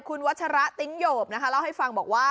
คุณวัชระติ๊งโยบนะคะเล่าให้ฟังบอกว่า